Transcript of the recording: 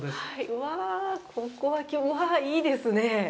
うわ、ここはいいですね。